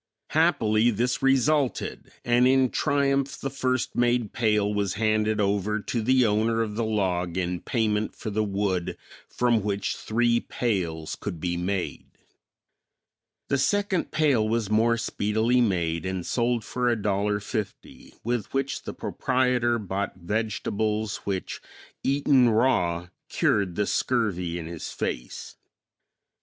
Happily, this resulted and in triumph the first made pail was handed over to the owner of the log in payment for the wood from which three pails could be made. The second pail was more speedily made and sold for $1.50 with which the proprietor bought vegetables which eaten raw cured the scurvy in his face.